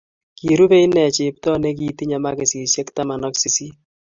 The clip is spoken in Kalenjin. Kirube inne chepto ne kitinye makishe taman ak sisit.